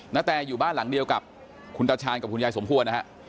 นาแตอยู่บ้านหลังเดียวกับคุณตาชาญกับคุณยายสมควรนะฮะ